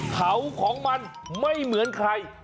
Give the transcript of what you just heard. เผาของมันไม่เหมือนใคร